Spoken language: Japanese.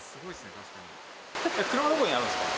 車、どこにあるんですか？